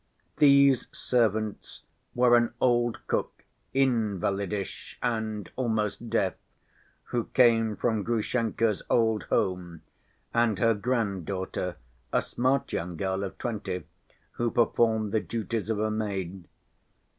These servants were an old cook, invalidish and almost deaf, who came from Grushenka's old home, and her granddaughter, a smart young girl of twenty, who performed the duties of a maid.